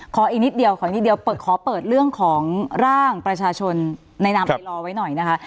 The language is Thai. อีกนิดเดียวขอนิดเดียวขอเปิดเรื่องของร่างประชาชนในนามไอรอไว้หน่อยนะคะ